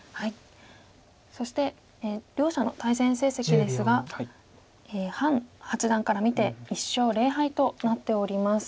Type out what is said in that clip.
そして両者の対戦成績ですが潘八段から見て１勝０敗となっております。